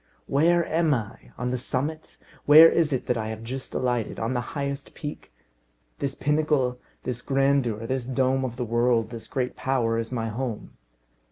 "Where am I? on the summit? Where is it that I have just alighted? on the highest peak? This pinnacle, this grandeur, this dome of the world, this great power, is my home.